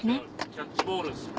キャッチボールする。